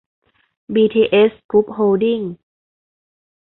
บีทีเอส กรุ๊ป โฮลดิ้งส์